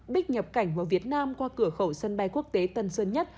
bích nhập cảnh vào việt nam qua cửa khẩu sân bay quốc tế tân sơn nhất